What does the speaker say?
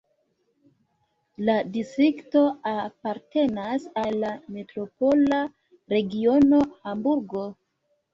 La distrikto apartenas al la metropola regiono Hamburgo.